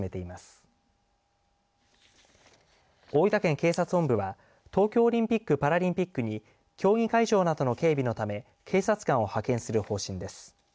警察本部は東京オリンピック・パラリンピックに競技会場などの警備のため警察官を派遣する方針です。